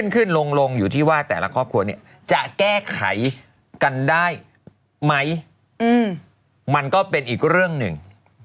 ขึ้นลงอยู่ที่ว่าแต่ละครอบครัวเนี่ยจะแก้ไขกันได้ไหมมันก็เป็นอีกเรื่องหนึ่ง